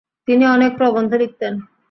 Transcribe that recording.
তিনি অনেক প্রবন্ধ লিখতেন।